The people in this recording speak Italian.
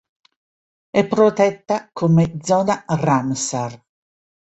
È protetta come zona "Ramsar".